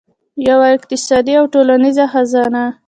یوه اقتصادي او ټولنیزه خزانه.